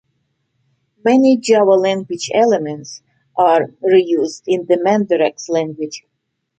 Many Java language elements are re-used in the Mandarax language.